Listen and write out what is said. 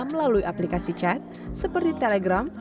melalui aplikasi chat seperti telegram